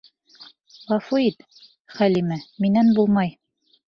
Ғәфү ит, Хәлимә, минән булмай.